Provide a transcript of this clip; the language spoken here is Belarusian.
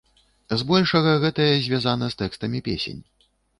Збольшага гэтае звязана з тэкстамі песень.